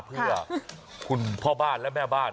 เพื่อคุณพ่อบ้านและแม่บ้าน